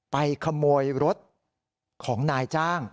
ไปขโมยรถของนายจ้าง